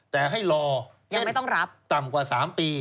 แต่ให้รอเช่นต่ำกว่า๓ปี